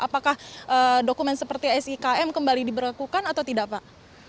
apakah dokumen seperti sikm kembali diberlakukan atau tidak pak